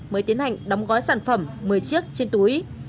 mới tiến hành đóng gói sản phẩm một mươi chiếc trên túi